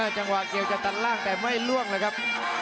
จังหวะเกี่ยวจะตัดล่างแต่ไม่ล่วงเลยครับ